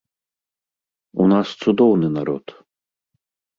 У нас цудоўны народ.